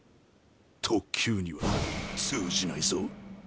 特級には通じないぞ。